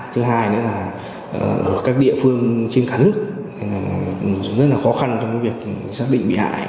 thứ hai nữa là ở các địa phương trên cả nước rất là khó khăn trong việc xác định bị hại